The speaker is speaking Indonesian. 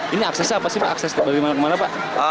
ini akses apa sih pak akses dari mana ke mana pak